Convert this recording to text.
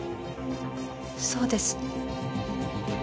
そうです。